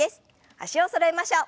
脚をそろえましょう。